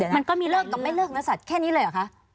มันก็มีเลิกกับไม่เลิกเนื้อสัตว์แค่นี้เลยเหรอคะ